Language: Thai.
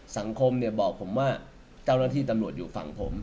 สังคมบอกผมว่าเจ้าหน้าที่ตำรวจอยู่ฝั่งผม